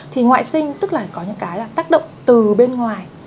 thì ngoại sinh tức là có những cái là tác động từ bên ngoài